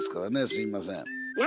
すみません。